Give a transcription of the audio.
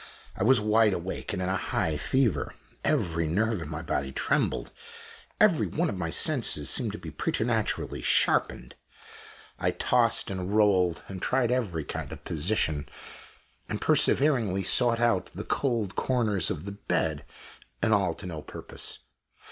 I was wide awake, and in a high fever. Every nerve in my body trembled every one of my senses seemed to be preternaturally sharpened. I tossed and rolled, and tried every kind of position, and perseveringly sought out the cold corners of the bed, and all to no purpose.